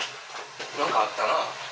なんか、あったな。